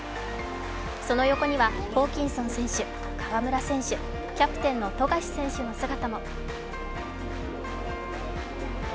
その横にはホーキンソン選手、河村選手キャプテンの富樫選手の姿も。